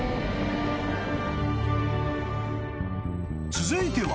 ［続いては］